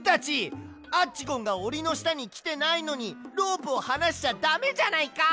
アッチゴンがおりのしたにきてないのにロープをはなしちゃだめじゃないか！